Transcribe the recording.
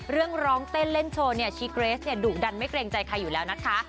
ร้องเต้นเล่นโชว์เนี่ยชีเกรสเนี่ยดุดันไม่เกรงใจใครอยู่แล้วนะคะ